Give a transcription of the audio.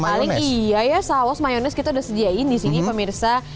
paling iya ya saus mayonis kita udah sediain di sini pemirsa